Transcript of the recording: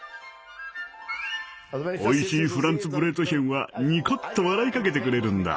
おいしいフランツブレートヒェンはにこっと笑いかけてくれるんだ。